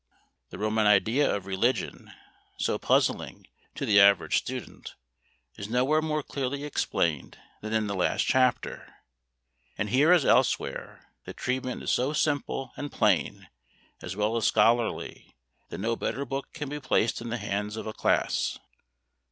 The Roman idea of religion, so puzzling to the average student, is nowhere more clearly explained than in the last chapter, and here as elsewhere the treatment is so simple and plain as well as scholarly, that no better book can be placed in the hands of a class.